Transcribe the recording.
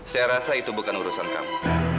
saya rasa itu bukan urusan kami